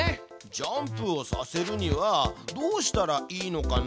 ジャンプをさせるにはどうしたらいいのかな？